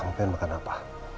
kamu pengen makan apa